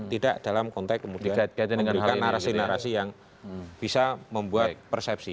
tidak dalam konteks kemudian dengan narasi narasi yang bisa membuat persepsi